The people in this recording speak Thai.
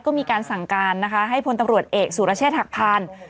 ก็มีการสั่งการให้พตำรวจเอกสุรเชษฐกพาร